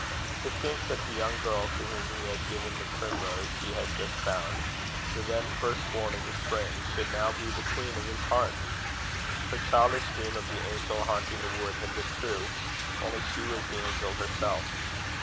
To think that the young girl to whom he had given the primrose he had just found, the then first born of the Spring, should now be the queen of his heart! Her childish dream of the angel haunting the wood had been true, only she was the angel herself.